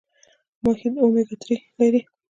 ماهي د اومیګا تري لري